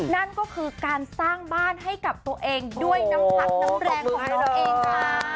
นั่นก็คือการสร้างบ้านให้กับตัวเองด้วยน้ำพักน้ำแรงของตัวเองค่ะ